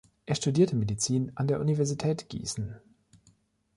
Er studierte Medizin an der Universität Gießen.